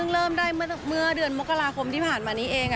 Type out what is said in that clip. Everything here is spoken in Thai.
เริ่มได้เมื่อเดือนมกราคมที่ผ่านมานี้เอง